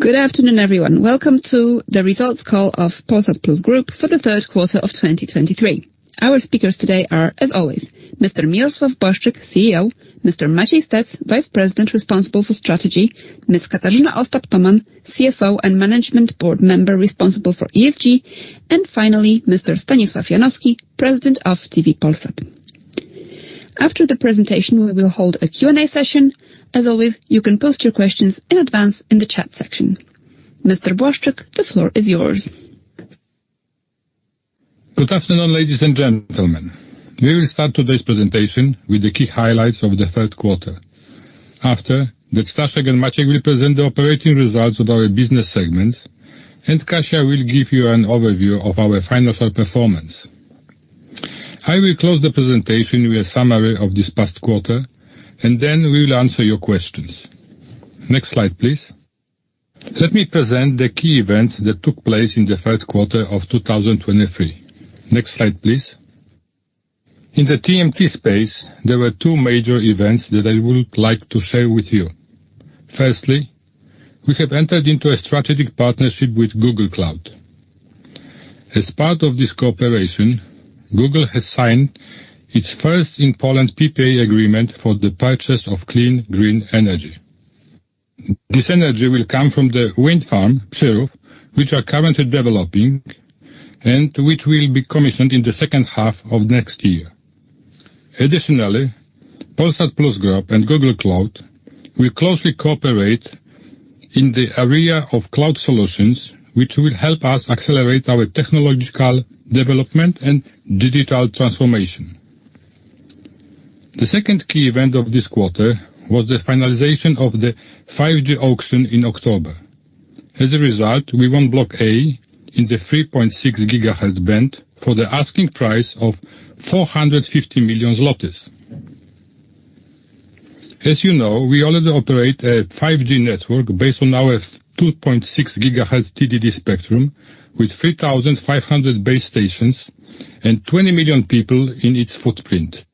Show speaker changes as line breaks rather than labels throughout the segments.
Good afternoon, everyone. Welcome to the results call of Polsat Plus Group for the third quarter of 2023. Our speakers today are, as always, Mr. Mirosław Błaszczyk, CEO, Mr. Maciej Stec, Vice President responsible for strategy, Ms. Katarzyna Ostap-Tomann, CFO and Management Board member responsible for ESG, and finally, Mr. Stanisław Janowski, President of TV Polsat. After the presentation, we will hold a Q&A session. As always, you can post your questions in advance in the chat section. Mr. Błaszczyk, the floor is yours.
Good afternoon, ladies and gentlemen. We will start today's presentation with the key highlights of the third quarter. After that, Staszek and Maciej will present the operating results of our business segments, and Kasia will give you an overview of our financial performance. I will close the presentation with a summary of this past quarter, and then we will answer your questions. Next slide, please. Let me present the key events that took place in the third quarter of 2023. Next slide, please. In the TMT space, there were two major events that I would like to share with you. Firstly, we have entered into a strategic partnership with Google Cloud. As part of this cooperation, Google has signed its first in Poland PPA agreement for the purchase of clean, green energy. This energy will come from the wind farm, Szydłów, which are currently developing and which will be commissioned in the second half of next year. Additionally, Polsat Plus Group and Google Cloud will closely cooperate in the area of cloud solutions, which will help us accelerate our technological development and digital transformation. The second key event of this quarter was the finalization of the 5G auction in October. As a result, we won block A in the 3.6 GHz band for the asking price of 450 million zlotys. As you know, we already operate a 5G network based on our 2.6 GHz TDD spectrum, with 3,500 base stations and 20 million people in its footprint.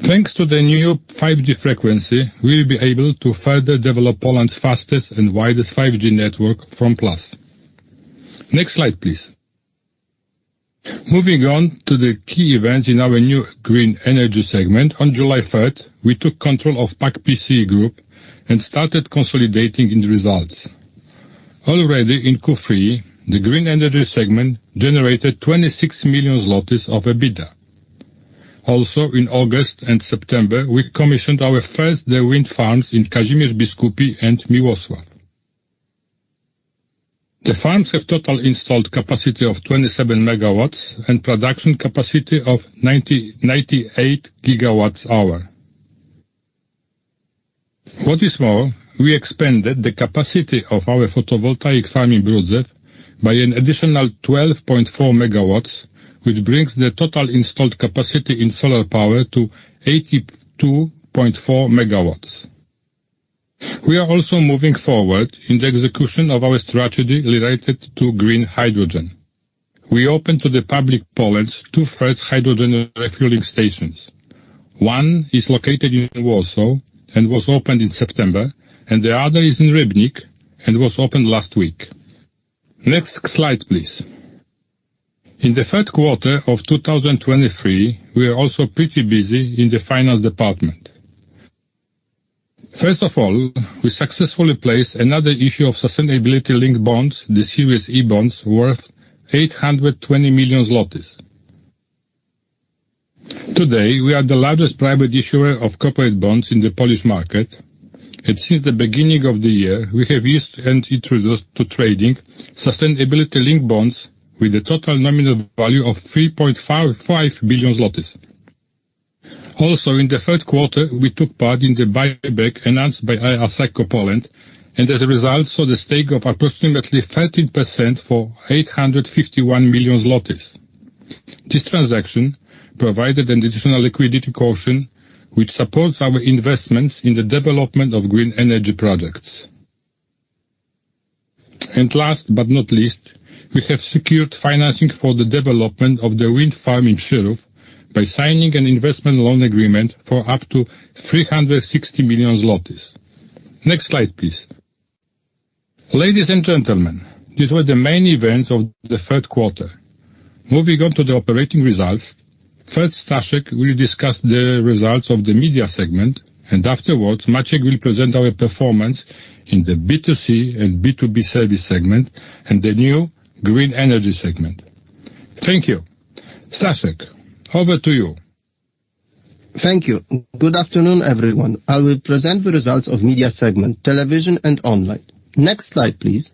Thanks to the new 5G frequency, we'll be able to further develop Poland's fastest and widest 5G network from Plus. Next slide, please. Moving on to the key events in our new Green Energy segment. On July third, we took control of PAK-PCE Group and started consolidating in the results. Already in Q3 the Green Energy segment generated 26 million zlotys of EBITDA. Also, in August and September, we commissioned our first wind farms in Kazimierz Biskupi and Miłosław. The farms have total installed capacity of 27 MW and production capacity of 98 GWh. What is more, we expanded the capacity of our photovoltaic farm in Brudzew by an additional 12.4 MW, which brings the total installed capacity in solar power to 82.4 MW. We are also moving forward in the execution of our strategy related to green hydrogen. We opened to the public Poland's two first hydrogen refueling stations. One is located in Warsaw and was opened in September, and the other is in Rybnik and was opened last week. Next slide, please. In the third quarter of 2023, we are also pretty busy in the finance department. First of all, we successfully placed another issue of sustainability-linked bonds, the series E-bonds, worth 820 million. Today, we are the largest private issuer of corporate bonds in the Polish market, and since the beginning of the year, we have used and introduced to trading sustainability-linked bonds with a total nominal value of 3.55 billion zlotys. Also, in the third quarter, we took part in the buyback announced by Asseco Poland, and as a result, sold the stake of approximately 13% for 851 million zlotys. This transaction provided an additional liquidity cushion, which supports our investments in the development of Green Energy roducts. Last but not least, we have secured financing for the development of the wind farm in Szydłów by signing an investment loan agreement for up to 360 million zlotys. Next slide, please. Ladies and gentlemen, these were the main events of the third quarter. Moving on to the operating results, first, Staszek will discuss the results of Media segment, and afterwards, Maciej will present our performance in the B2C and B2B service segment and Green Energy segment. thank you. Staszek, over to you.
Thank you. Good afternoon, everyone. I will present the results Media segment: Television, and Online. Next slide, please.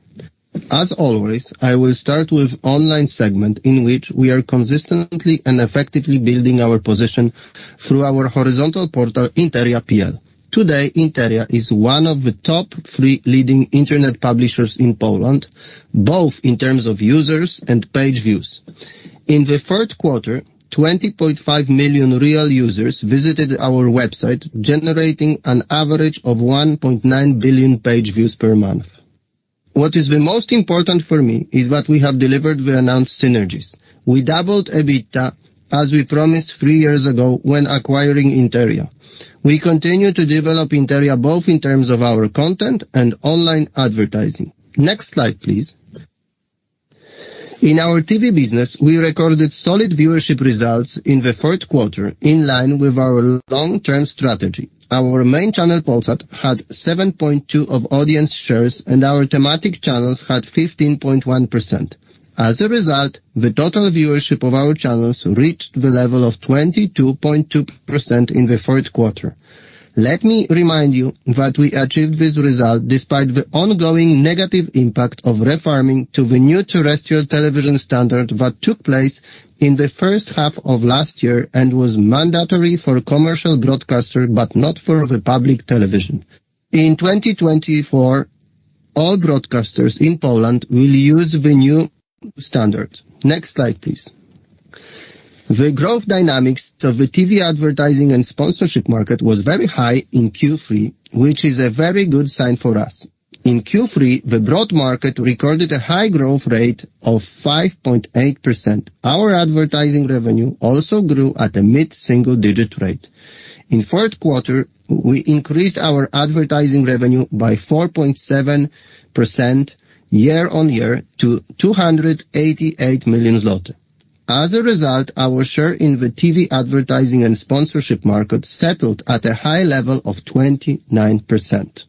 As always, I will start with Online segment, in which we are consistently and effectively building our position through our horizontal portal, Interia.pl. Today, Interia is one of the top three leading internet publishers in Poland, both in terms of users and page views. In the third quarter, 20.5 million real users visited our website, generating an average of 1.9 billion page views per month. What is the most important for me is that we have delivered the announced synergies. We doubled EBITDA, as we promised three years ago when acquiring Interia. We continue to develop Interia, both in terms of our content and online advertising. Next slide, please. In our TV business, we recorded solid viewership results in the third quarter, in line with our long-term strategy. Our main channel, Polsat, had 7.2% of audience shares, and our thematic channels had 15.1%. As a result, the total viewership of our channels reached the level of 22.2% in the third quarter. Let me remind you that we achieved this result despite the ongoing negative impact of refarming to the new terrestrial television standard, that took place in the first half of last year and was mandatory for commercial broadcasters, but not for the public television. In 2024, all broadcasters in Poland will use the new standard. Next slide, please. The growth dynamics of the TV advertising and sponsorship market was very high in Q3, which is a very good sign for us. In Q3, the broad market recorded a high growth rate of 5.8%. Our advertising revenue also grew at a mid-single-digit rate. In fourth quarter, we increased our advertising revenue by 4.7% year-on-year to 288 million zloty. As a result, our share in the TV advertising and sponsorship market settled at a high level of 29%.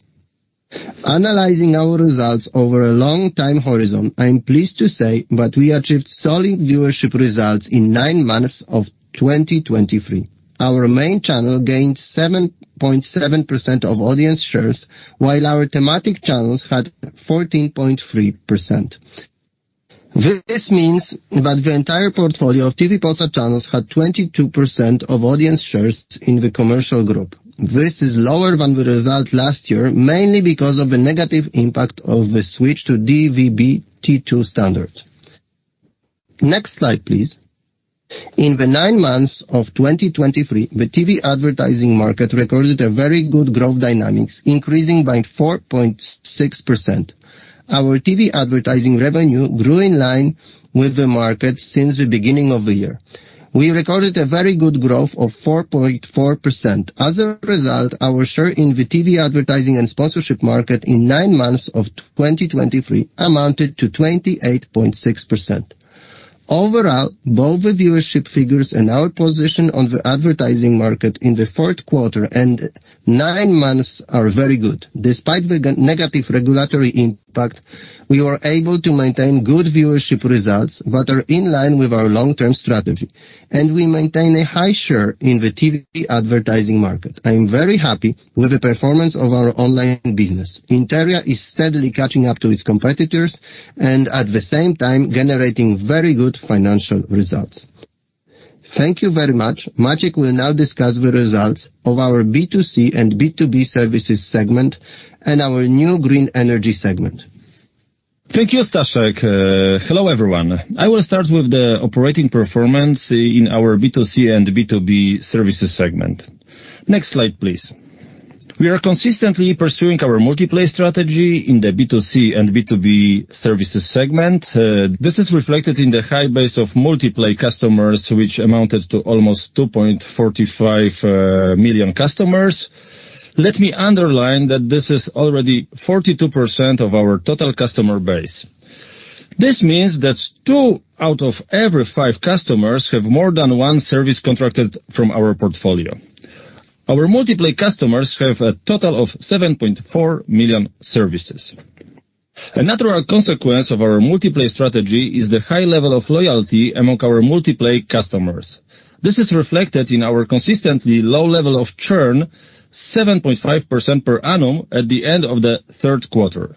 Analyzing our results over a long time horizon, I am pleased to say that we achieved solid viewership results in nine months of 2023. Our main channel gained 7.7% of audience shares, while our thematic channels had 14.3%. This means that the entire portfolio of TV Polsat channels had 22% of audience shares in the commercial group. This is lower than the result last year, mainly because of the negative impact of the switch to DVB-T2 standard. Next slide, please. In the nine months of 2023, the TV advertising market recorded a very good growth dynamics, increasing by 4.6%. Our TV advertising revenue grew in line with the market since the beginning of the year. We recorded a very good growth of 4.4%. As a result, our share in the TV advertising and sponsorship market in nine months of 2023 amounted to 28.6%. Overall, both the viewership figures and our position on the advertising market in the fourth quarter and nine months are very good. Despite the negative regulatory impact, we were able to maintain good viewership results that are in line with our long-term strategy, and we maintain a high share in the TV advertising market. I am very happy with the performance of our online business. Interia is steadily catching up to its competitors and, at the same time, generating very good financial results. Thank you very much. Maciej will now discuss the results of our B2C and B2B services segment and our new Green Energy segment.
Thank you, Staszek. Hello, everyone. I will start with the operating performance in our B2C and B2B services segment. Next slide, please. We are consistently pursuing our multi-play strategy in the B2C and B2B services segment. This is reflected in the high base of multi-play customers, which amounted to almost 2.45 million customers. Let me underline that this is already 42% of our total customer base. This means that two out of every five customers have more than one service contracted from our portfolio. Our multi-play customers have a total of 7.4 million services. A natural consequence of our multi-play strategy is the high level of loyalty among our multi-play customers. This is reflected in our consistently low level of churn, 7.5% per annum at the end of the third quarter.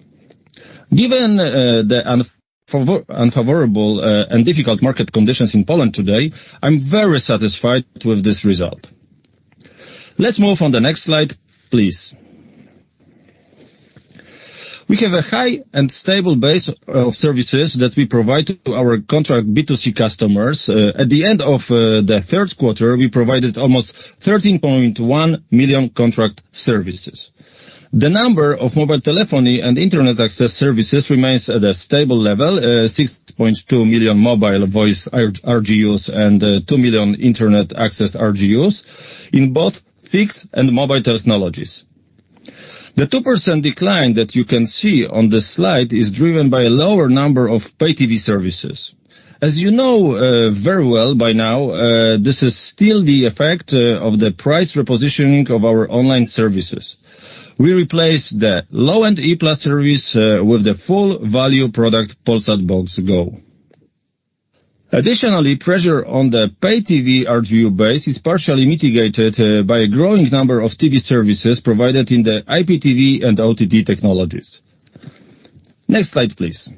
Given the unfavorable and difficult market conditions in Poland today, I'm very satisfied with this result. Let's move on the next slide, please. We have a high and stable base of services that we provide to our contract B2C customers. At the end of the third quarter, we provided almost 13.1 million contract services. The number of mobile telephony and internet access services remains at a stable level, 6.2 million mobile voice RGUs, and 2 million internet access RGUs in both fixed and mobile technologies. The 2% decline that you can see on the slide is driven by a lower number of pay TV services. As you know very well by now, this is still the effect of the price repositioning of our online services. We replaced the low-end Ipla service with the full value product, Polsat Box Go. Additionally, pressure on the pay TV RGU base is partially mitigated by a growing number of TV services provided in the IPTV and OTT technologies. Next slide, please.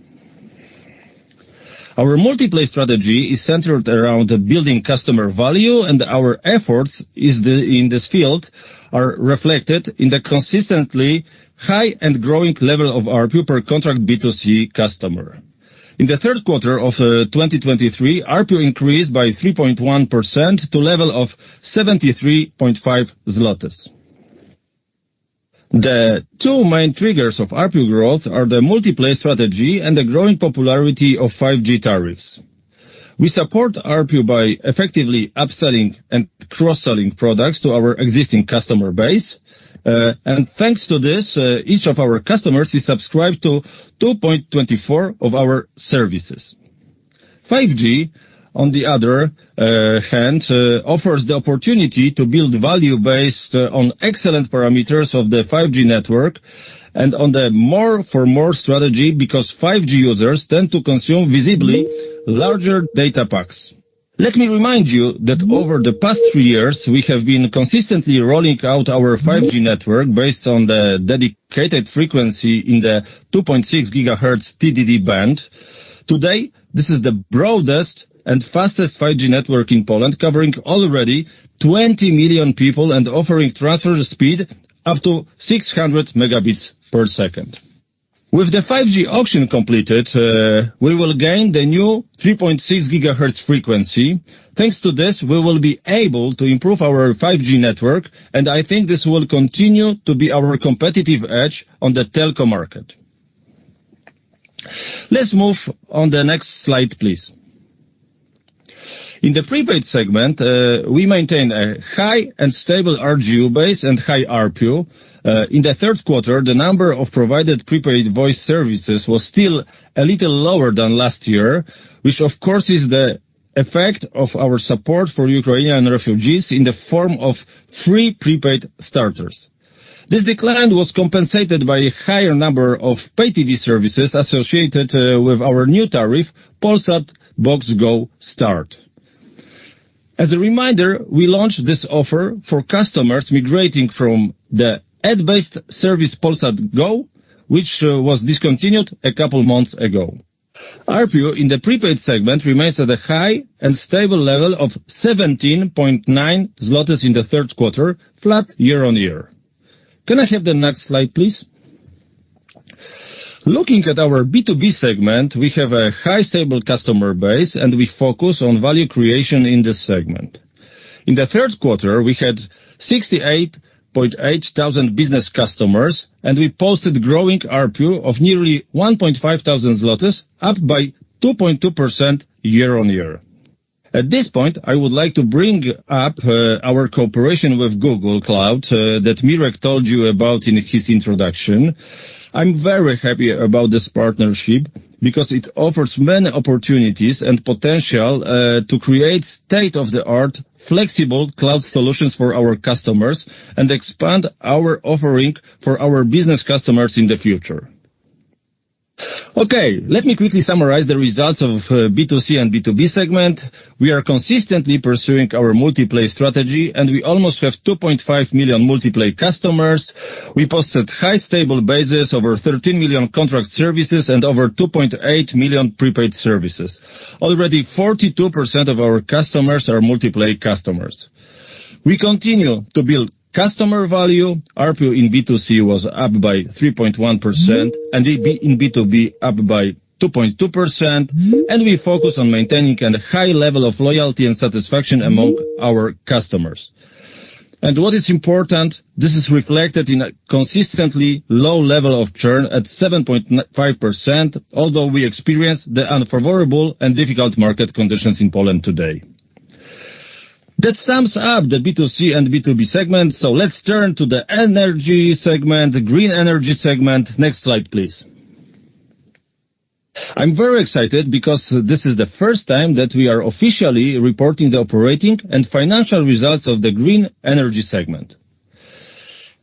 Our multi-play strategy is centered around building customer value, and our efforts is the, in this field are reflected in the consistently high and growing level of ARPU per contract B2C customer. In the third quarter of 2023, ARPU increased by 3.1% to level of 73.5 zlotys. The two main triggers of ARPU growth are the multi-play strategy and the growing popularity of 5G tariffs. We support ARPU by effectively upselling and cross-selling products to our existing customer base. And thanks to this, each of our customers is subscribed to 2.24 of our services. 5G, on the other hand, offers the opportunity to build value based on excellent parameters of the 5G network and on the more for more strategy, because 5G users tend to consume visibly larger data packs. Let me remind you that over the past 3 years, we have been consistently rolling out our 5G network based on the dedicated frequency in the 2.6 GHz TDD band. Today, this is the broadest and fastest 5G network in Poland, covering already 20 million people and offering transfer speed up to 600 Mbps. With the 5G auction completed, we will gain the new 3.6 GHz frequency. Thanks to this, we will be able to improve our 5G network, and I think this will continue to be our competitive edge on the telco market. Let's move on the next slide, please. In the prepaid segment, we maintain a high and stable RGU base and high ARPU. In the third quarter, the number of provided prepaid voice services was still a little lower than last year, which of course, is the effect of our support for Ukrainian refugees in the form of free prepaid starters. This decline was compensated by a higher number of pay TV services associated with our new tariff, Polsat Box Go Start. As a reminder, we launched this offer for customers migrating from the ad-based service, Polsat Go, which was discontinued a couple months ago. ARPU in the prepaid segment remains at a high and stable level of 17.9 zlotys in the third quarter, flat year-over-year. Can I have the next slide, please? Looking at our B2B segment, we have a high, stable customer base, and we focus on value creation in this segment. In the third quarter, we had 68.8 thousand business customers, and we posted growing ARPU of nearly 1,500 zlotys, up by 2.2% year-on-year. At this point, I would like to bring up our cooperation with Google Cloud that Mirek told you about in his introduction. I'm very happy about this partnership because it offers many opportunities and potential to create state-of-the-art, flexible cloud solutions for our customers and expand our offering for our business customers in the future. Okay, let me quickly summarize the results of B2C and B2B segment. We are consistently pursuing our multi-play strategy, and we almost have 2.5 million multi-play customers. We posted high, stable bases, over 13 million contract services and over 2.8 million prepaid services. Already, 42% of our customers are multi-play customers. We continue to build customer value. ARPU in B2C was up by 3.1%, and in B2B, up by 2.2%, and we focus on maintaining a high level of loyalty and satisfaction among our customers. And what is important, this is reflected in a consistently low level of churn at 7.95%, although we experienced the unfavorable and difficult market conditions in Poland today. That sums up the B2C and B2B segment, so let's turn to the energy Green Energy segment. next slide, please. I'm very excited because this is the first time that we are officially reporting the operating and financial results of the Green Energy segment.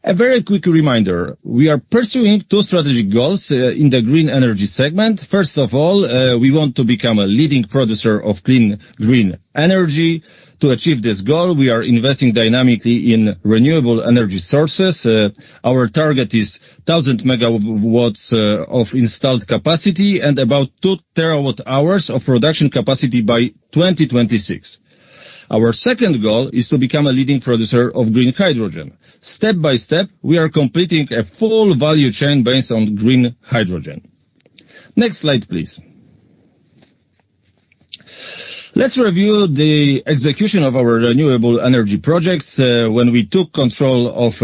A very quick reminder, we are pursuing two strategic goals in the Green Energy segment. First of all, we want to become a leading producer of clean, green energy. To achieve this goal, we are investing dynamically in renewable energy sources. Our target is 1,000 MW of installed capacity and about 2 TWh of production capacity by 2026. Our second goal is to become a leading producer of green hydrogen. Step by step, we are completing a full value chain based on green hydrogen. Next slide, please. Let's review the execution of our renewable energy projects. When we took control of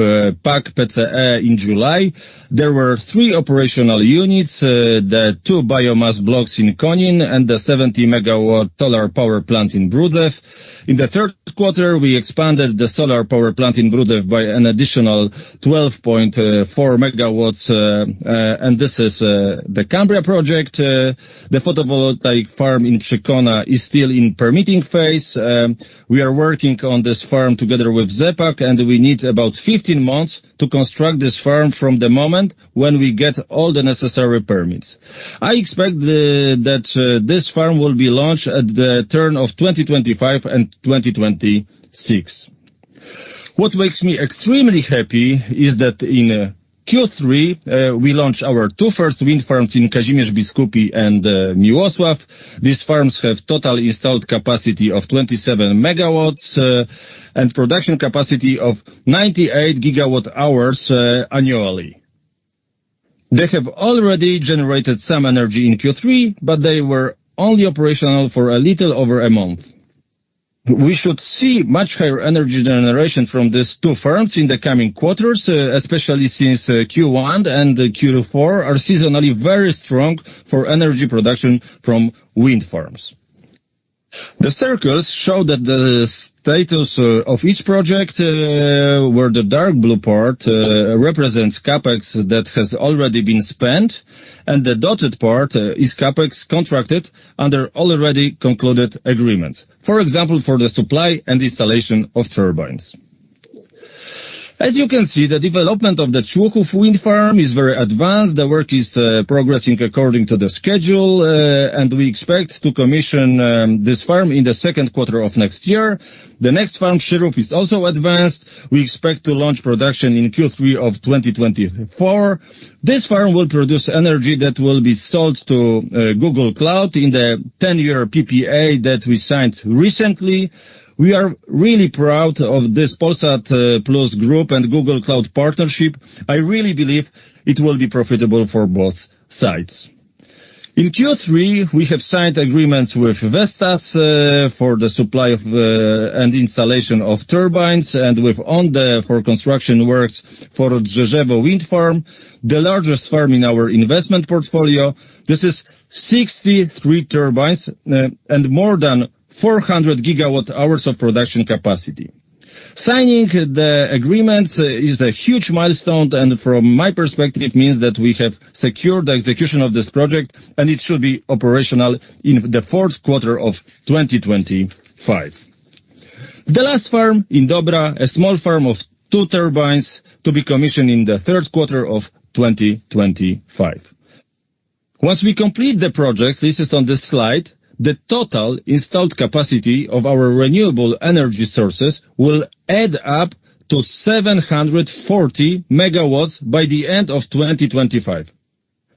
PAK-PCE in July, there were three operational units, the two biomass blocks in Konin and the 70-MW solar power plant in Brudzew. In the third quarter, we expanded the solar power plant in Brudzew by an additional 12.4 MW, and this is the Cambria project. The photovoltaic farm in Trzeciewnica is still in permitting phase. We are working on this farm together with ZE PAK, and we need about 15 months to construct this farm from the moment when we get all the necessary permits. I expect that this farm will be launched at the turn of 2025 and 2026. What makes me extremely happy is that in Q3, we launched our two first wind farms in Kazimierz Biskupi and Miłosław. These farms have total installed capacity of 27 MW, and production capacity of 98 GWh annually. They have already generated some energy in Q3, but they were only operational for a little over a month. We should see much higher energy generation from these two farms in the coming quarters, especially since Q1 and Q4 are seasonally very strong for energy production from wind farms. The circles show that the status of each project, where the dark blue part represents CapEx that has already been spent, and the dotted part is CapEx contracted under already concluded agreements. For example, for the supply and installation of turbines. As you can see, the development of the Człuchów Wind Farm is very advanced. The work is progressing according to the schedule, and we expect to commission this farm in the second quarter of next year. The next farm, Szydłów, is also advanced. We expect to launch production in Q3 of 2024. This farm will produce energy that will be sold to Google Cloud in the ten-year PPA that we signed recently. We are really proud of this Polsat Plus Group and Google Cloud partnership. I really believe it will be profitable for both sides. In Q3, we have signed agreements with Vestas for the supply of and installation of turbines, and with ONDE for construction works for Rzeczyca Wind Farm, the largest farm in our investment portfolio. This is 63 turbines and more than 400 GWh of production capacity. Signing the agreements is a huge milestone, and from my perspective, means that we have secured the execution of this project, and it should be operational in the fourth quarter of 2025. The last farm in Dobra, a small farm of two turbines, to be commissioned in the third quarter of 2025. Once we complete the projects listed on this slide, the total installed capacity of our renewable energy sources will add up to 740 MW by the end of 2025.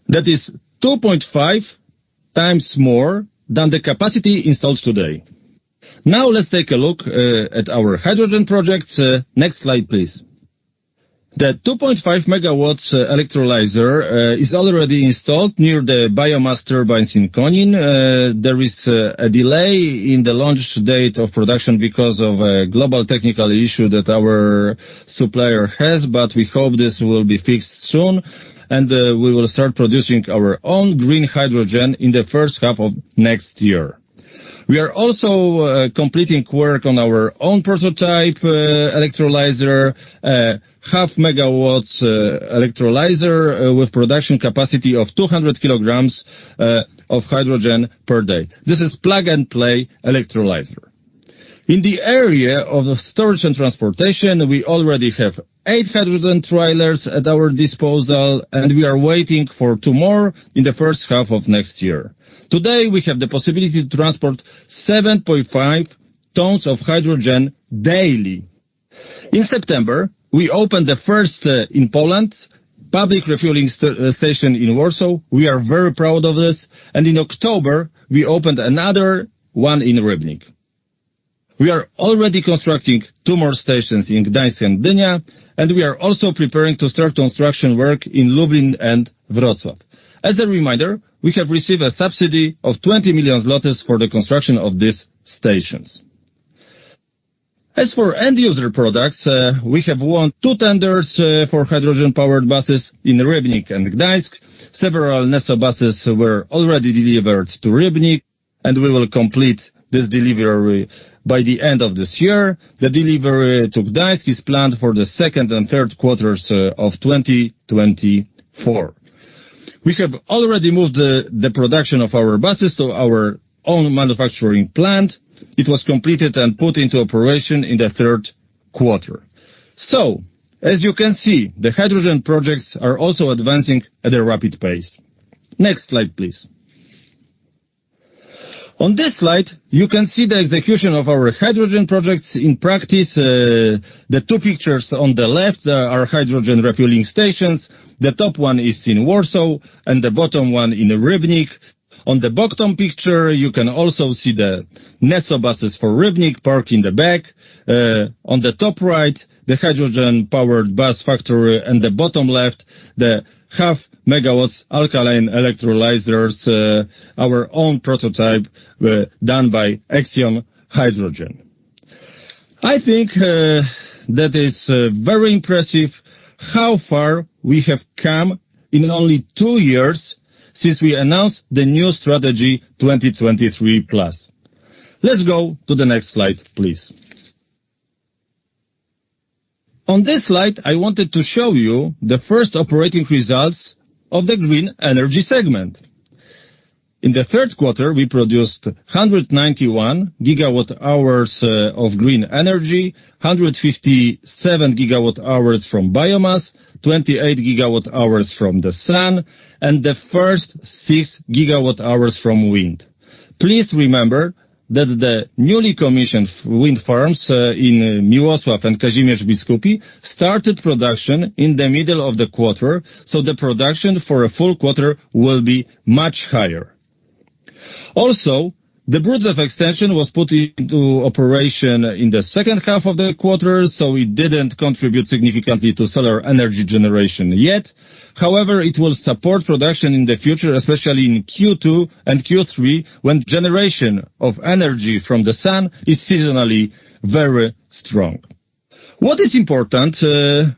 That is 2.5x more than the capacity installed today. Now, let's take a look at our hydrogen projects. Next slide, please. The 2.5 MW electrolyzer is already installed near the biomass turbines in Konin. There is a delay in the launch date of production because of a global technical issue that our supplier has, but we hope this will be fixed soon, and we will start producing our own green hydrogen in the first half of next year. We are also completing work on our own prototype electrolyzer, 0.5-megawatt electrolyzer, with production capacity of 200 kilograms of hydrogen per day. This is plug-and-play electrolyzer. In the area of storage and transportation, we already have eight hydrogen trailers at our disposal, and we are waiting for two more in the first half of next year. Today, we have the possibility to transport 7.5 tons of hydrogen daily. In September, we opened the first in Poland public refueling station in Warsaw. We are very proud of this, and in October, we opened another one in Rybnik. We are already constructing two more stations in Gdańsk and Gdynia, and we are also preparing to start construction work in Lublin and Wrocław. As a reminder, we have received a subsidy of 20 million zlotys for the construction of these stations. As for end-user products, we have won two tenders for hydrogen-powered buses in Rybnik and Gdańsk. Several Neso buses were already delivered to Rybnik, and we will complete this delivery by the end of this year. The delivery to Gdańsk is planned for the second and third quarters of 2024. We have already moved the production of our buses to our own manufacturing plant. It was completed and put into operation in the third quarter. So, as you can see, the hydrogen projects are also advancing at a rapid pace. Next slide, please. On this slide, you can see the execution of our hydrogen projects in practice. The two pictures on the left are hydrogen refueling stations. The top one is in Warsaw and the bottom one in Rybnik. On the bottom picture, you can also see the Neso buses for Rybnik parked in the back. On the top right, the hydrogen-powered bus factory, and the bottom left, the 0.5 MW alkaline electrolyzers, our own prototype, done by Exion Hydrogen. I think that is very impressive how far we have come in only two years since we announced the new Strategy 2023+. Let's go to the next slide, please. On this slide, I wanted to show you the first operating results of the Green Energy segment. In the third quarter, we produced 191 GWh of green energy, 157 GWh from biomass, 28 GWh from the sun, and the first 6 GWh from wind. Please remember that the newly commissioned wind farms in Miłosław and Kazimierz Biskupi started production in the middle of the quarter, so the production for a full quarter will be much higher. Also, the Brudzew extension was put into operation in the second half of the quarter, so it didn't contribute significantly to solar energy generation yet. However, it will support production in the future, especially in Q2 and Q3, when generation of energy from the sun is seasonally very strong. What is important,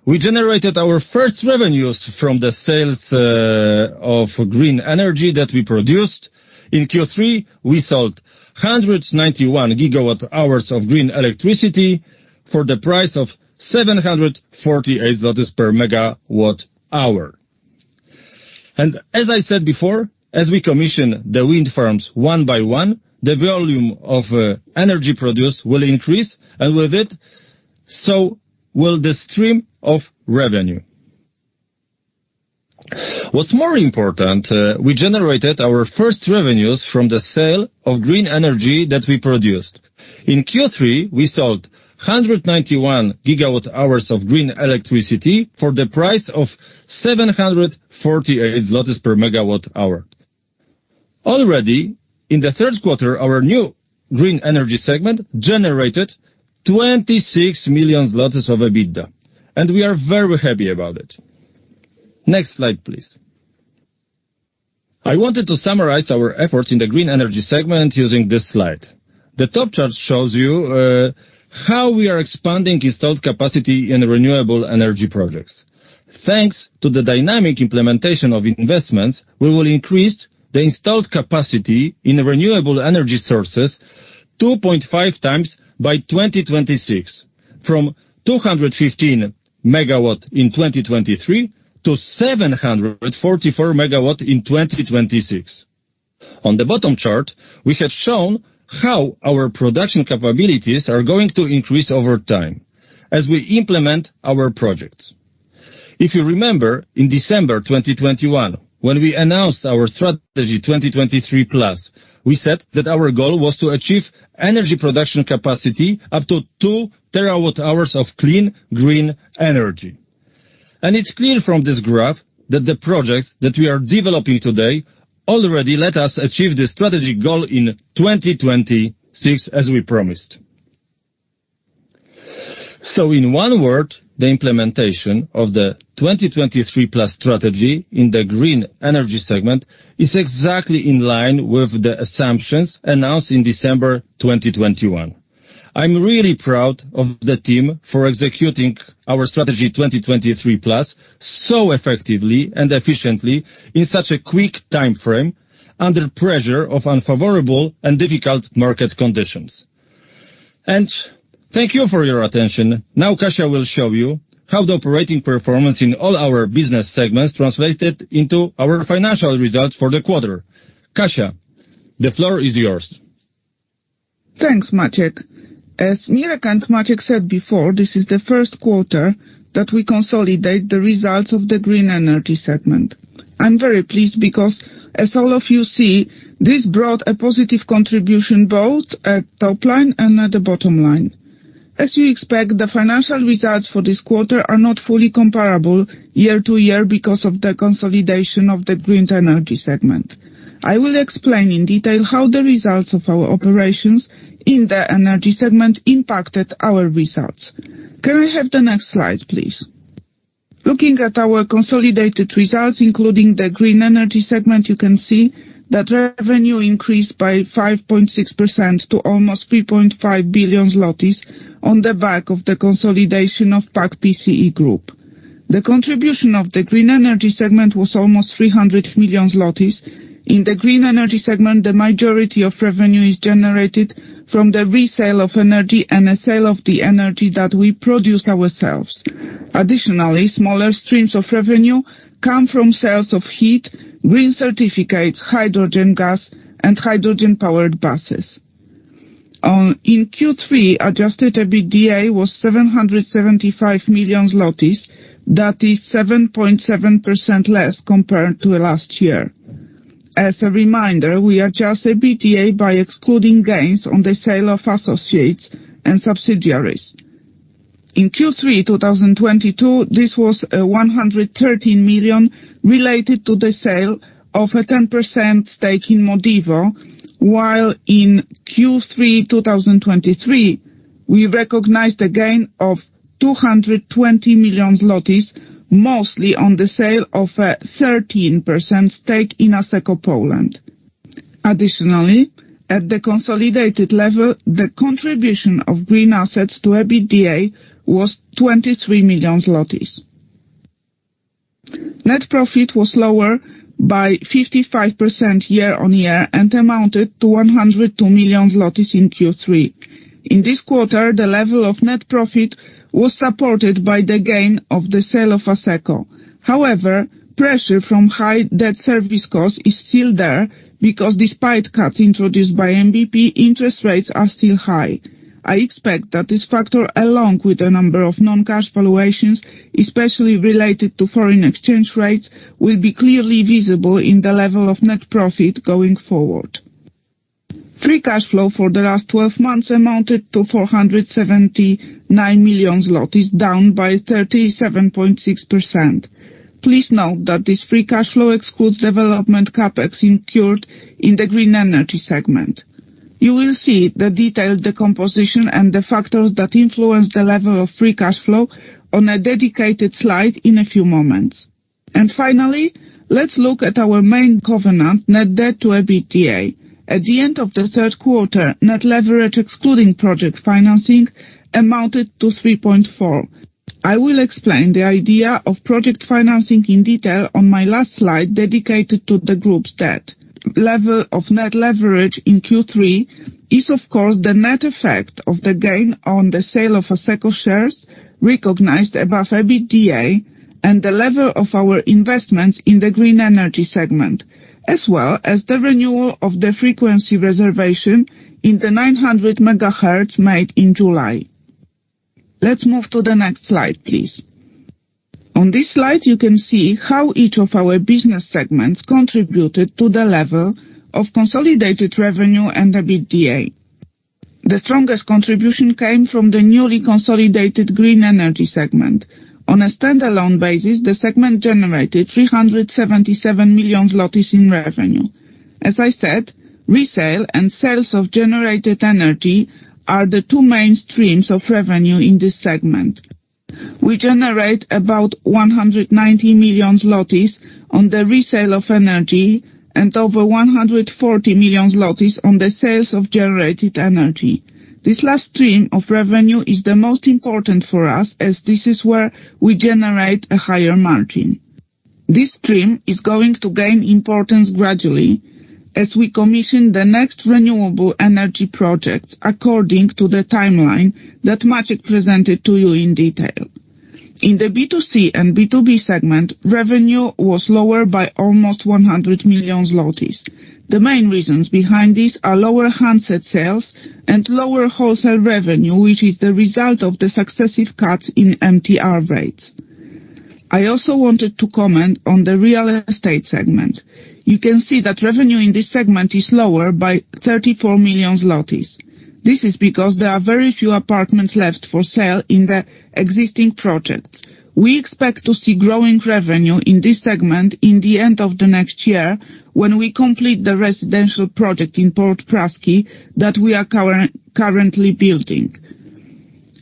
we generated our first revenues from the sales of green energy that we produced. In Q3, we sold 191 GWh of green electricity for the price of PLN 748 per MWh. And as I said before, as we commission the wind farms one by one, the volume of energy produced will increase, and with it, so will the stream of revenue. What's more important, we generated our first revenues from the sale of green energy that we produced. In Q3, we sold 191 GWh of green electricity for the price of 748 zlotys per MWh. Already in the third quarter, our new Green Energy segment generated 26 million of EBITDA, and we are very happy about it. Next slide, please. I wanted to summarize our efforts in the Green Energy segment using this slide. The top chart shows you how we are expanding installed capacity in renewable energy projects. Thanks to the dynamic implementation of investments, we will increase the installed capacity in renewable energy sources 2.5x by 2026, from 215 MW in 2023 to 744 MW in 2026. On the bottom chart, we have shown how our production capabilities are going to increase over time as we implement our projects. If you remember, in December 2021, when we announced our Strategy 2023+, we said that our goal was to achieve energy production capacity up to 2 TWh of clean, green energy. And it's clear from this graph that the projects that we are developing today already let us achieve this strategic goal in 2026, as we promised. So in one word, the implementation of the 2023+ Strategy in the Green Energy segment is exactly in line with the assumptions announced in December 2021. I'm really proud of the team for executing our Strategy 2023+ so effectively and efficiently in such a quick timeframe, under pressure of unfavorable and difficult market conditions. And thank you for your attention. Now, Kasia will show you how the operating performance in all our business segments translated into our financial results for the quarter. Kasia, the floor is yours.
Thanks, Maciej. As Mirek and Maciej said before, this is the first quarter that we consolidate the results of the Green Energy segment. I'm very pleased because, as all of you see, this brought a positive contribution, both at top line and at the bottom line. As you expect, the financial results for this quarter are not fully comparable year-to-year because of the consolidation of the Green Energy segment. I will explain in detail how the results of our operations in the energy segment impacted our results. Can we have the next slide, please? Looking at our consolidated results, including the Green Energy segment, you can see that revenue increased by 5.6% to almost 3.5 billion zlotys on the back of the consolidation of PAK-PCE Group. The contribution of the Green Energy segment was almost 300 million zlotys. In the Green Energy segment, the majority of revenue is generated from the resale of energy and the sale of the energy that we produce ourselves. Additionally, smaller streams of revenue come from sales of heat, green certificates, hydrogen gas, and hydrogen-powered buses. In Q3, adjusted EBITDA was 775 million zlotys. That is 7.7% less compared to last year. As a reminder, we adjust EBITDA by excluding gains on the sale of associates and subsidiaries. In Q3 2022, this was 113 million related to the sale of a 10% stake in Modivo, while in Q3 2023, we recognized a gain of 220 million, mostly on the sale of a 13% stake in Asseco Poland. Additionally, at the consolidated level, the contribution of green assets to EBITDA was 23 million zlotys. Net profit was lower by 55% year-on-year and amounted to 102 million zlotys in Q3. In this quarter, the level of net profit was supported by the gain of the sale of Asseco. However, pressure from high debt service cost is still there, because despite cuts introduced by MBP, interest rates are still high. I expect that this factor, along with a number of non-cash valuations, especially related to foreign exchange rates, will be clearly visible in the level of net profit going forward. Free cash flow for the last 12 months amounted to 479 million zlotys, down by 37.6%. Please note that this free cash flow excludes development CapEx incurred in the Green Energy segment. You will see the detailed decomposition and the factors that influence the level of free cash flow on a dedicated slide in a few moments. Finally, let's look at our main covenant, net debt to EBITDA. At the end of the third quarter, net leverage, excluding project financing, amounted to 3.4. I will explain the idea of project financing in detail on my last slide, dedicated to the group's debt. Level of net leverage in Q3 is, of course, the net effect of the gain on the sale of Asseco shares recognized above EBITDA and the level of our investments in the Green Energy segment, as well as the renewal of the frequency reservation in the 900 MHz made in July. Let's move to the next slide, please. On this slide, you can see how each of our business segments contributed to the level of consolidated revenue and EBITDA. The strongest contribution came from the newly consolidated Green Energy segment. on a standalone basis, the segment generated 377 million zlotys in revenue. As I said, resale and sales of generated energy are the two main streams of revenue in this segment. We generate about 190 million zlotys on the resale of energy and over 140 million zlotys on the sales of generated energy. This last stream of revenue is the most important for us, as this is where we generate a higher margin. This stream is going to gain importance gradually as we commission the next renewable energy projects according to the timeline that Maciej presented to you in detail. In the B2C and B2B segment, revenue was lower by almost 100 million zlotys. The main reasons behind this are lower handset sales and lower wholesale revenue, which is the result of the successive cuts in MTR rates. I also wanted to comment on the real estate segment. You can see that revenue in this segment is lower by 34 million zlotys. This is because there are very few apartments left for sale in the existing projects. We expect to see growing revenue in this segment in the end of the next year, when we complete the residential project in Port Praski that we are currently building.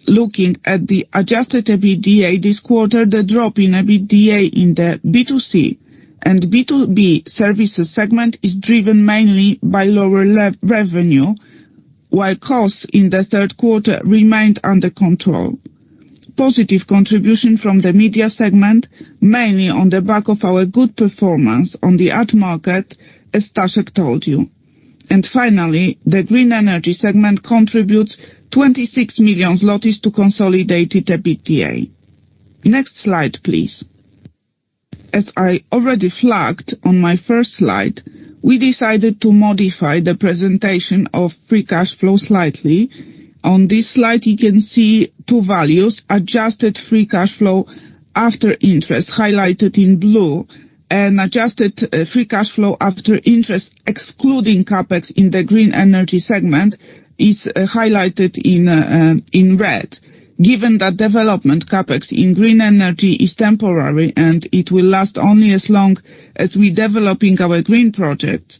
Looking at the adjusted EBITDA this quarter, the drop in EBITDA in the B2C and B2B services segment is driven mainly by lower revenue, while costs in the third quarter remained under control. Positive contribution from Media segment, mainly on the back of our good performance on the ad market, as Staszek told you. And finally, the Green Energy segment contributes pln 26 million to consolidated EBITDA. Next slide, please. As I already flagged on my first slide, we decided to modify the presentation of free cash flow slightly. On this slide, you can see two values: adjusted free cash flow after interest, highlighted in blue, and adjusted free cash flow after interest, excluding CapEx in the Green Energy segment, highlighted in red. Given that development CapEx in green energy is temporary and it will last only as long as we're developing our green projects,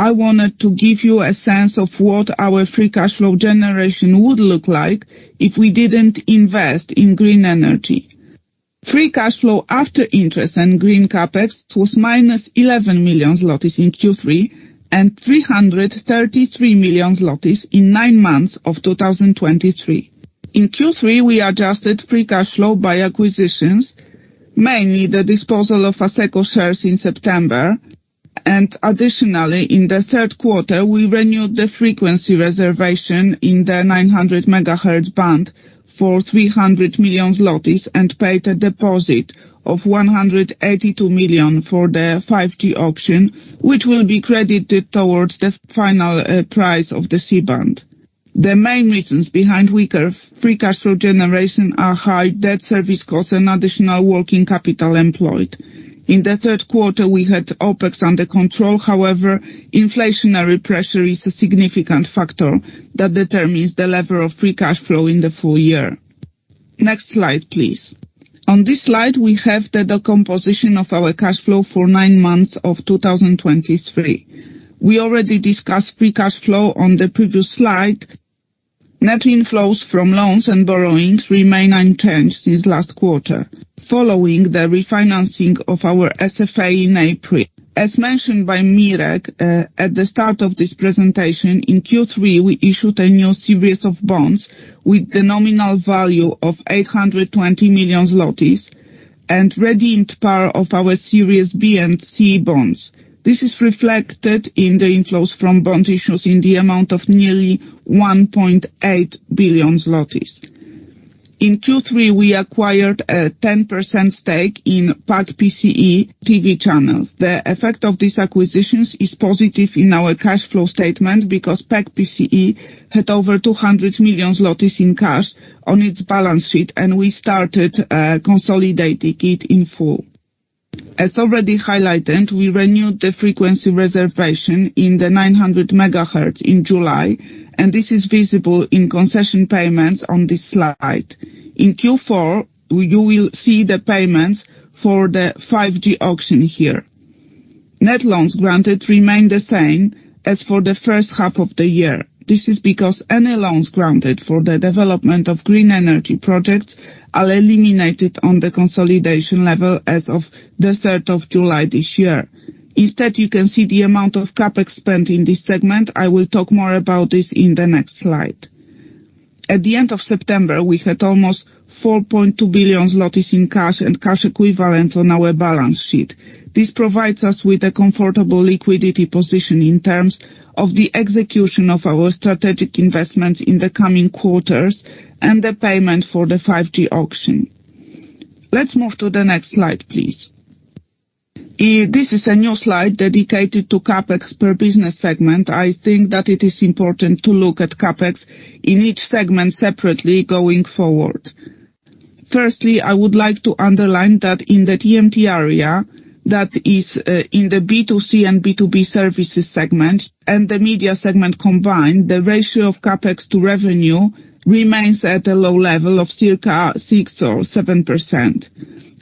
I wanted to give you a sense of what our free cash flow generation would look like if we didn't invest in green energy. Free cash flow after interest and green CapEx was -11 million zlotys in Q3, and 333 million zlotys in nine months of 2023. In Q3, we adjusted free cash flow by acquisitions, mainly the disposal of Asseco shares in September, and additionally, in the third quarter, we renewed the frequency reservation in the 900 MHz band for 300 million zlotys and paid a deposit of 182 million for the 5G auction, which will be credited towards the final price of the C-band. The main reasons behind weaker free cash flow generation are high debt service costs and additional working capital employed. In the third quarter, we had OpEx under control, however, inflationary pressure is a significant factor that determines the level of free cash flow in the full year. Next slide, please. On this slide, we have the decomposition of our cash flow for 9 months of 2023. We already discussed free cash flow on the previous slide. Net inflows from loans and borrowings remain unchanged since last quarter, following the refinancing of our SFA in April. As mentioned by Mirek at the start of this presentation, in Q3, we issued a new series of bonds with the nominal value of 820 million zlotys and redeemed part of our Series B and C bonds. This is reflected in the inflows from bond issues in the amount of nearly 1.8 billion zlotys. In Q3, we acquired a 10% stake in PAK-PCE TV channels. The effect of these acquisitions is positive in our cash flow statement because PAK-PCE had over 200 million in cash on its balance sheet, and we started consolidating it in full. As already highlighted, we renewed the frequency reservation in the 900 in July, and this is visible in concession payments on this slide. In Q4, you will see the payments for the 5G auction here. Net loans granted remain the same as for the first half of the year. This is because any loans granted for the development of green energy projects are eliminated on the consolidation level as of the third of July this year. Instead, you can see the amount of CapEx spent in this segment. I will talk more about this in the next slide. At the end of September, we had almost 4.2 billion in cash and cash equivalents on our balance sheet. This provides us with a comfortable liquidity position in terms of the execution of our strategic investments in the coming quarters and the payment for the 5G auction. Let's move to the next slide, please. This is a new slide dedicated to CapEx per business segment. I think that it is important to look at CapEx in each segment separately going forward. Firstly, I would like to underline that in the TMT area, that is, in the B2C and B2B services segment and Media segment combined, the ratio of CapEx to revenue remains at a low level of circa 6% or 7%.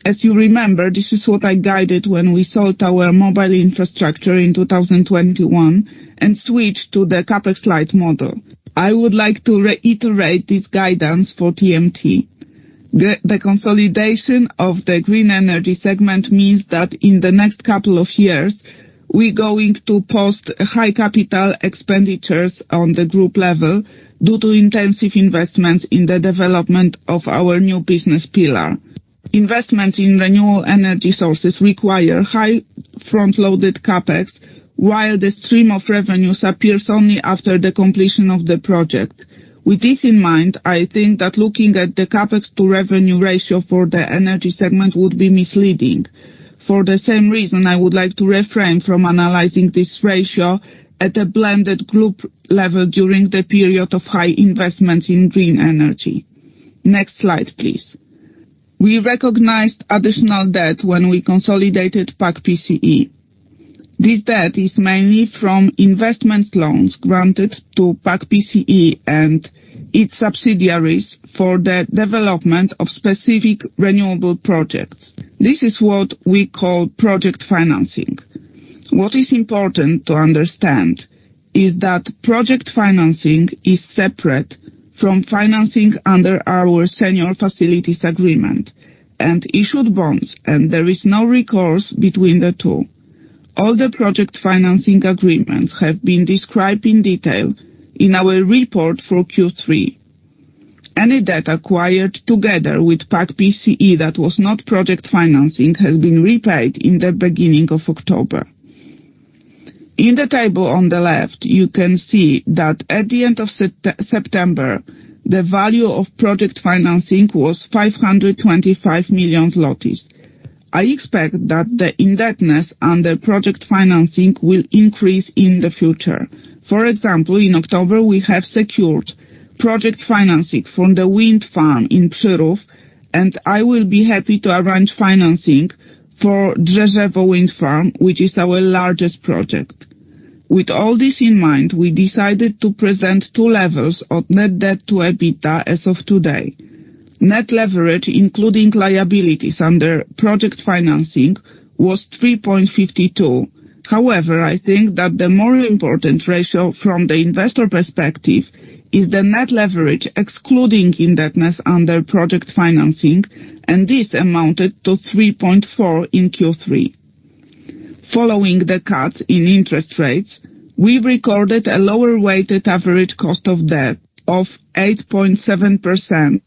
As you remember, this is what I guided when we sold our mobile infrastructure in 2021 and switched to the CapEx light model. I would like to reiterate this guidance for TMT. The consolidation of the Green Energy segment means that in the next couple of years, we're going to post high capital expenditures on the group level due to intensive investments in the development of our new business pillar. Investments in renewable energy sources require high front-loaded CapEx, while the stream of revenues appears only after the completion of the project. With this in mind, I think that looking at the CapEx to revenue ratio for the energy segment would be misleading. For the same reason, I would like to refrain from analyzing this ratio at a blended group level during the period of high investments in green energy. Next slide, please. We recognized additional debt when we consolidated PAK-PCE. This debt is mainly from investment loans granted to PAK-PCE and its subsidiaries for the development of specific renewable projects. This is what we call project financing. What is important to understand is that project financing is separate from financing under our senior facilities agreement and issued bonds, and there is no recourse between the two. All the project financing agreements have been described in detail in our report for Q3. Any debt acquired together with PAK-PCE that was not project financing, has been repaid in the beginning of October. In the table on the left, you can see that at the end of September, the value of project financing was 525 million. I expect that the indebtedness under project financing will increase in the future. For example, in October, we have secured project financing from the wind farm in Przyrów, and I will be happy to arrange financing for Drzewce Wind Farm, which is our largest project. With all this in mind, we decided to present two levels of net debt to EBITDA as of today. Net leverage, including liabilities under project financing, was 3.52. However, I think that the more important ratio from the investor perspective is the net leverage, excluding indebtedness under project financing, and this amounted to 3.4 in Q3. Following the cuts in interest rates, we recorded a lower weighted average cost of debt of 8.7%,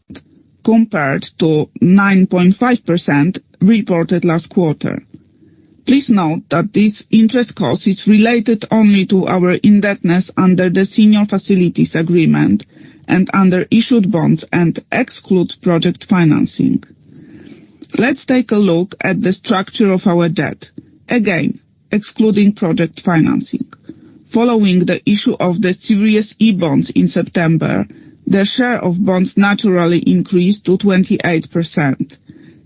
compared to 9.5% reported last quarter. Please note that this interest cost is related only to our indebtedness under the senior facilities agreement and under issued bonds and excludes project financing. Let's take a look at the structure of our debt, again, excluding project financing. Following the issue of the Series E bonds in September, the share of bonds naturally increased to 28%.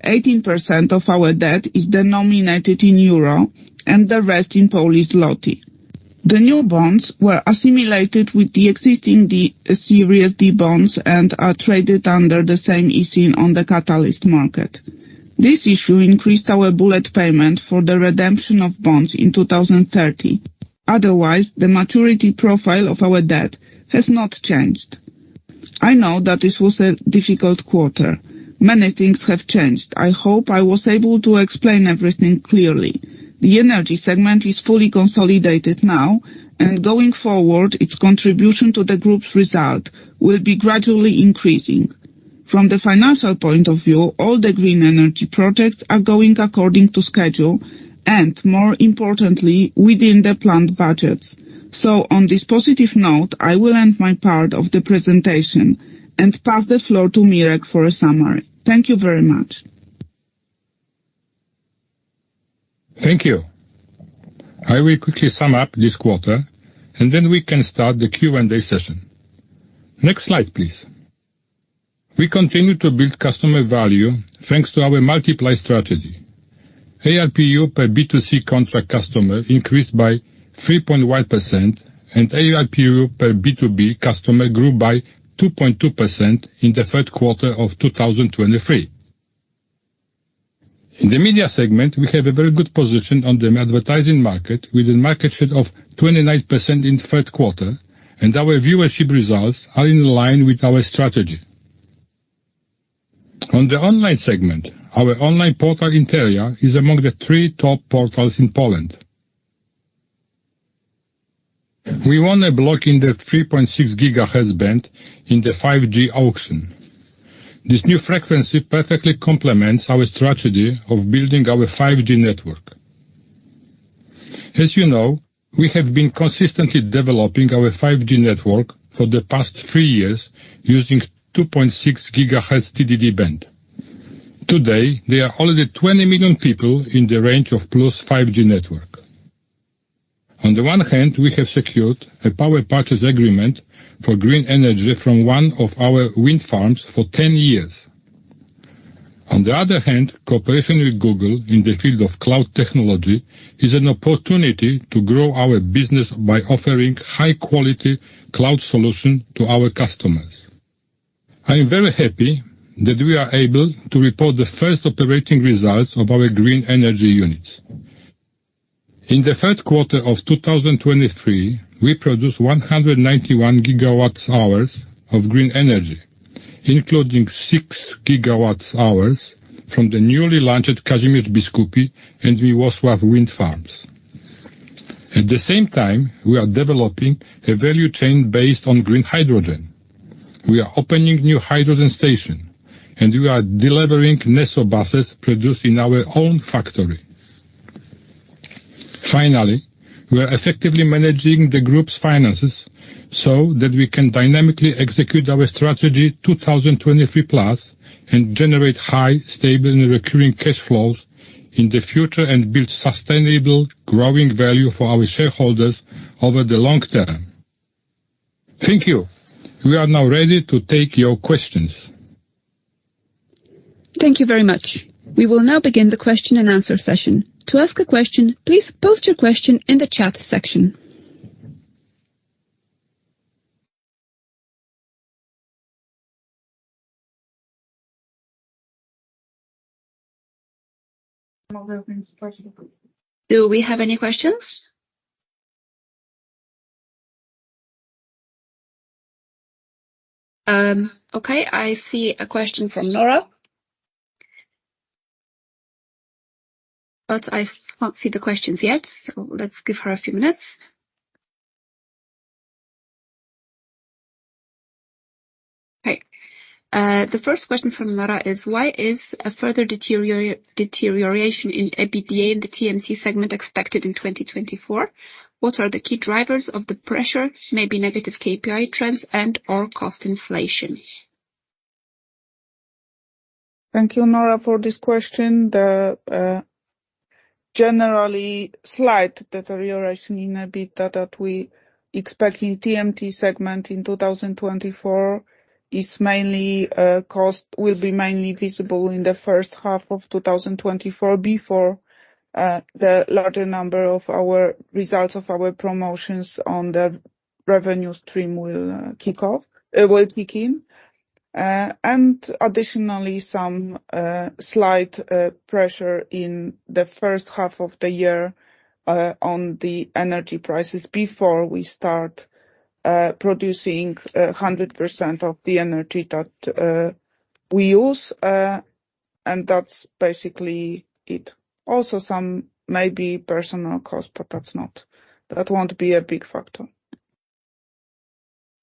18% of our debt is denominated in EUR and the rest in PLN. The new bonds were assimilated with the existing D, Series D bonds and are traded under the same ISIN on the Catalyst market. This issue increased our bullet payment for the redemption of bonds in 2030. Otherwise, the maturity profile of our debt has not changed. I know that this was a difficult quarter. Many things have changed. I hope I was able to explain everything clearly. The energy segment is fully consolidated now, and going forward, its contribution to the group's result will be gradually increasing. From the financial point of view, all the green energy projects are going according to schedule, and more importantly, within the planned budgets. So on this positive note, I will end my part of the presentation and pass the floor to Mirek for a summary. Thank you very much.
Thank you. I will quickly sum up this quarter, and then we can start the Q&A session. Next slide, please. We continue to build customer value, thanks to our multiplay strategy. ARPU per B2C contract customer increased by 3.1%, and ARPU per B2B customer grew by 2.2% in the third quarter of 2023. In the Media segment, we have a very good position on the advertising market, with a market share of 29% in third quarter, and our viewership results are in line with our strategy. On the Online segment, our online portal, Interia, is among the three top portals in Poland. We won a block in the 3.6 GHz band in the 5G auction. This new frequency perfectly complements our strategy of building our 5G network. As you know, we have been consistently developing our 5G network for the past 3 years using 2.6 GHz TDD band. Today, there are already 20 million people in the range of Plus 5G network. On the one hand, we have secured a power purchase agreement for green energy from one of our wind farms for 10 years. On the other hand, cooperation with Google in the field of cloud technology is an opportunity to grow our business by offering high-quality cloud solution to our customers. I am very happy that we are able to report the first operating results of our green energy units. In the third quarter of 2023, we produced 191 GWh of green energy, including 6 GWh from the newly launched Kazimierz Biskupi and Miłosław wind farms. At the same time, we are developing a value chain based on green hydrogen. We are opening new hydrogen station, and we are delivering NesoBuses produced in our own factory. Finally, we are effectively managing the group's finances so that we can dynamically execute our Strategy 2023+, and generate high, stable and recurring cash flows in the future, and build sustainable, growing value for our shareholders over the long term. Thank you. We are now ready to take your questions.
Thank you very much. We will now begin the question and answer session. To ask a question, please post your question in the chat section. Do we have any questions? Okay, I see a question from Nora, but I can't see the questions yet, so let's give her a few minutes. Okay. The first question from Nora is: Why is a further deterioration in EBITDA in the TMT segment expected in 2024? What are the key drivers of the pressure, maybe negative KPI trends and/or cost inflation?
Thank you, Nora, for this question. The generally slight deterioration in EBITDA that we expect in TMT segment in 2024 will be mainly visible in the first half of 2024, before the larger number of our results of our promotions on the revenue stream will kick off, will kick in. And additionally, some slight pressure in the first half of the year on the energy prices before we start producing 100% of the energy that we use, and that's basically it. Also, some maybe personal cost, but that's not, that won't be a big factor.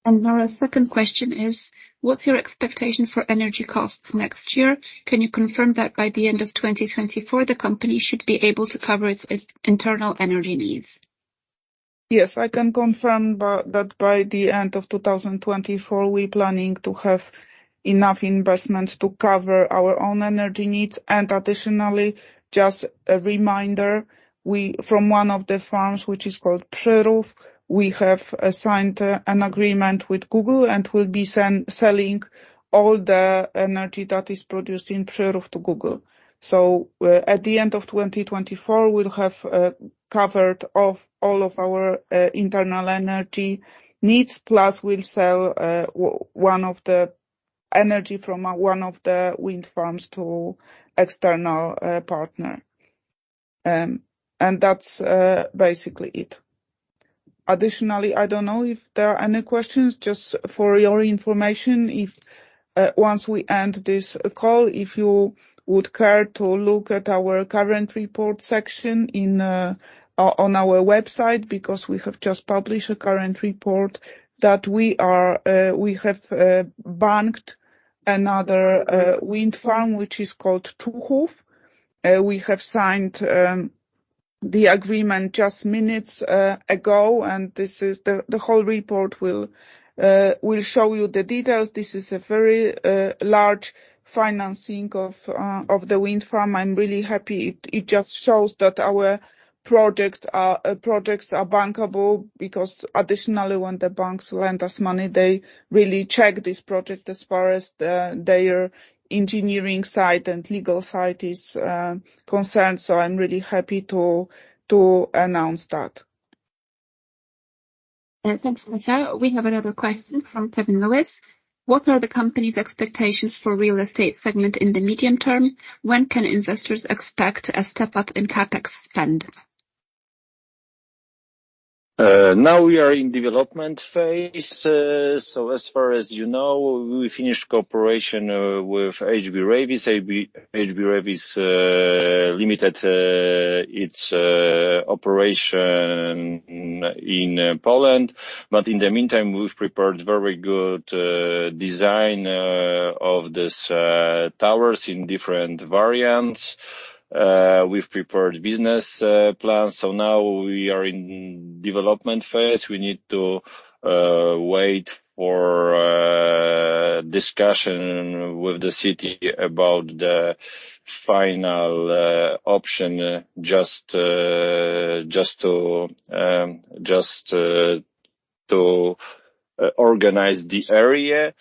Nora's second question is: What's your expectation for energy costs next year? Can you confirm that by the end of 2024, the company should be able to cover its internal energy needs?
Yes, I can confirm that by the end of 2024, we're planning to have enough investments to cover our own energy needs. Additionally, just a reminder, from one of the farms, which is called Przyrów, we have assigned an agreement with Google and will be selling all the energy that is produced in Przyrów to Google. So, at the end of 2024, we'll have covered off all of our internal energy needs, plus we'll sell one of the energy from one of the wind farms to external partner. And that's basically it. Additionally, I don't know if there are any questions, just for your information, if once we end this call, if you would care to look at our current report section on our website, because we have just published a current report that we are, we have banked another wind farm, which is called Człuchów. We have signed the agreement just minutes ago, and this is the whole report will show you the details. This is a very large financing of the wind farm. I'm really happy. It just shows that our project are projects are bankable, because additionally, when the banks lend us money, they really check this project as far as their engineering side and legal side is concerned. So I'm really happy to announce that.
Thanks, Marta. We have another question from Kevin Lewis: What are the company's expectations for real estate segment in the medium term? When can investors expect a step up in CapEx spend?
Now we are in development phase. So as far as you know, we finished cooperation with HB Reavis. HB Reavis limited its operation in Poland. But in the meantime, we've prepared very good design of this towers in different variants. We've prepared business plans, so now we are in development phase. We need to wait for discussion with the city about the final option just to organize the area.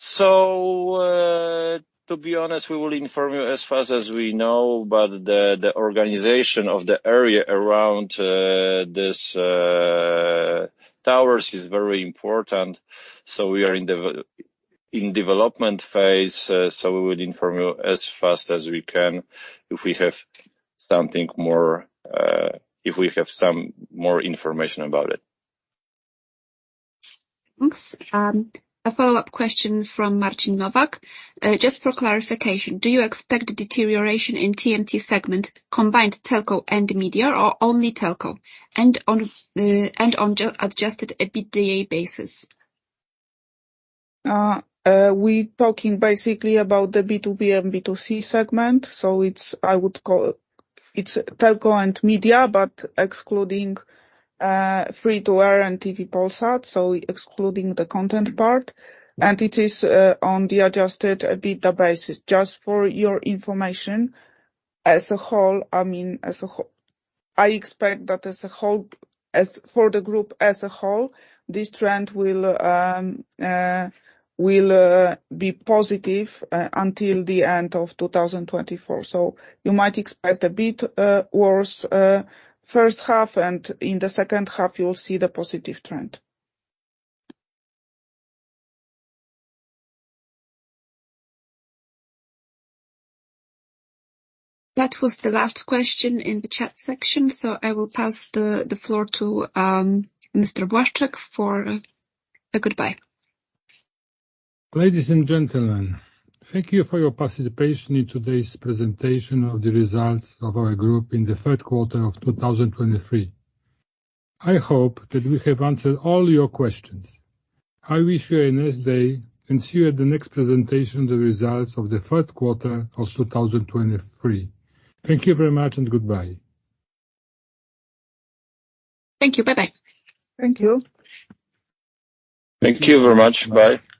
So, to be honest, we will inform you as fast as we know, but the organization of the area around this towers is very important, so we are in the development phase. So we will inform you as fast as we can if we have something more, if we have some more information about it.
Thanks. A follow-up question from Marcin Nowak. Just for clarification, do you expect a deterioration in TMT segment, combined telco and media, or only telco? And on the adjusted EBITDA basis?
We talking basically about the B2B and B2C segment, so it's... I would call, it's telco and media, but excluding free to air and TV Polsat, so excluding the content part. And it is on the adjusted EBITDA basis. Just for your information, as a whole, I mean, as a whole, I expect that as a whole, as for the group as a whole, this trend will be positive until the end of 2024. So you might expect a bit worse first half, and in the second half, you will see the positive trend.
That was the last question in the chat section, so I will pass the floor to Mr. Błaszczyk for a goodbye.
Ladies and gentlemen, thank you for your participation in today's presentation of the results of our group in the third quarter of 2023. I hope that we have answered all your questions. I wish you a nice day, and see you at the next presentation of the results of the third quarter of 2023. Thank you very much, and goodbye.
Thank you. Bye-bye.
Thank you.
Thank you very much. Bye.